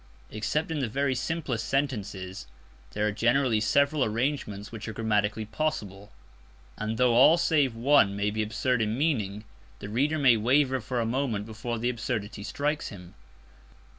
Except in the very simplest sentences there are generally several arrangements which are grammatically possible; and, though all save one may be absurd in meaning, the reader may waver for a moment before the absurdity strikes him.